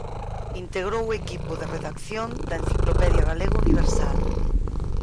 Integrou o equipo de redacción da "Enciclopedia Galega Universal".